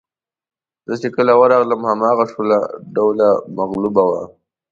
زه چې کله ورغلم هماغه شوله ډوله مغلوبه وه.